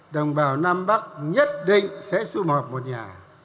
đồng bào nam bắc nhất định sẽ xung hợp một nhà